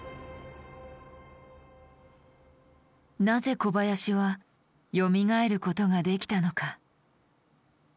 なぜ小林はよみがえることができたのか。